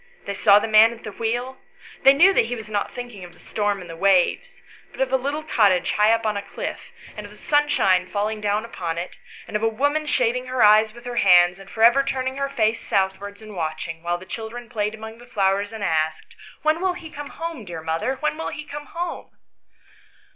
They saw the man at the wheel They knew that he was not thinking of the storm and the waves, but of a little cottage high up upon a cliff, and of the sunshine falling down upon it, and of a woman shading her eyes with her hands and for ever turning her face southwards and watching, while the chil dren played among the flowers and asked, " When will he come home, dear mother? when will he come home